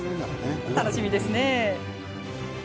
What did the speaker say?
楽しみですね。